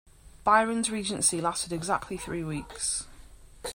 Biron's regency lasted exactly three weeks.